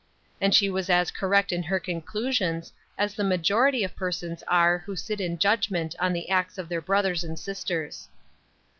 And she was as correct in her conclusions as the majority of persons are who sit in judgment on the acts of their brothers and sisters.